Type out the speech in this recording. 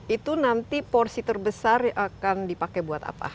itu nanti porsi terbesar akan dipakai buat apa